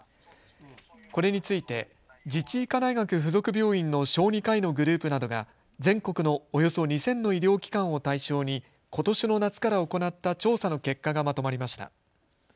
これについて自治医科大学附属病院の小児科医のグループなどが全国のおよそ２０００の医療機関を対象にことしの夏から行った調査の結果がまとまりました。